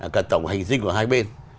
cả tổng hành dinh của hai bên